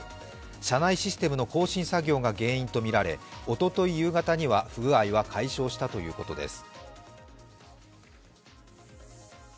社内システムの更新作業が原因とみられおととい夕方には不具合は解消したということです。